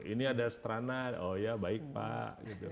ini ada seterana oh ya baik pak